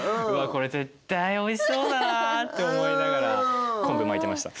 これ絶対おいしそうだなって思いながら昆布巻いてました。